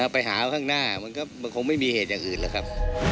ไปหาข้างหน้ามันก็คงไม่มีเหตุอย่างอื่นหรอกครับ